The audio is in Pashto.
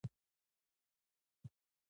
د مختلفو ناروغیو د سرایت څخه مخنیوی وکړي.